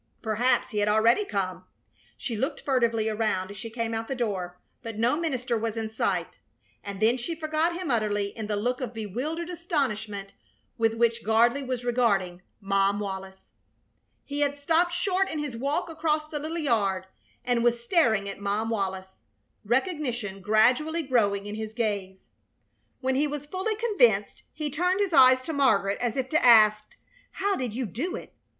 Perhaps he had already come. She looked furtively around as she came out the door, but no minister was in sight, and then she forgot him utterly in the look of bewildered astonishment with which Gardley was regarding Mom Wallis. He had stopped short in his walk across the little yard, and was staring at Mom Wallis, recognition gradually growing in his gaze. When he was fully convinced he turned his eyes to Margaret, as if to ask: "How did you do it?